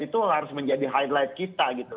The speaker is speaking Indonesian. itu harus menjadi highlight kita gitu